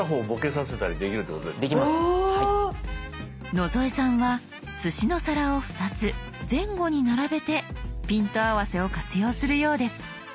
野添さんはすしの皿を２つ前後に並べてピント合わせを活用するようです。